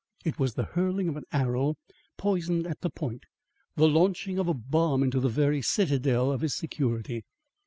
It was the hurling of an arrow poisoned at the point; the launching of a bomb into the very citadel of his security.